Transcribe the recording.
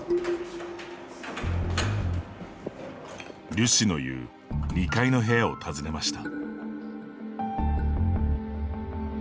リュ氏の言う２階の部屋を訪ねました。